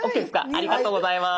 ありがとうございます。